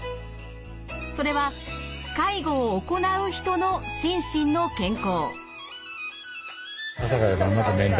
それは介護を行う人の心身の健康。